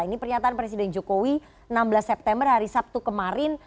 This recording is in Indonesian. ini pernyataan presiden jokowi enam belas september hari sabtu kemarin